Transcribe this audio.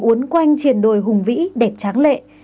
uốn quanh triền đồi hùng vĩ đẹp tráng lệ